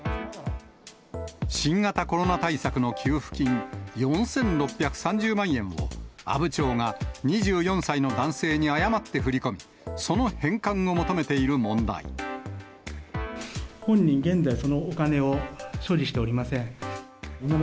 新型コロナ対策の給付金４６３０万円を、阿武町が２４歳の男性に誤って振り込み、その返還を求めている問本人、現在、そのお金を所持しておりません。